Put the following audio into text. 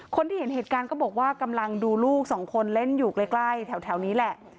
คนที่เห็นเหตุการณ์ก็บอกว่ากำลังดูลูกสองคนเล่นอยู่ใกล้แถวนี้แหละ